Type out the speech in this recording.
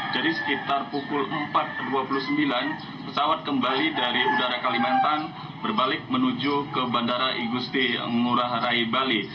jadi sekitar pukul empat dua puluh sembilan pesawat kembali dari udara kalimantan berbalik menuju ke bandara igusti ngurah rai bali